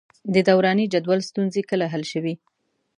د دوراني جدول ستونزې کله حل شوې؟